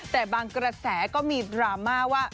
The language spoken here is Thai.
แต่บางกระแสก็มีดราม่าว่า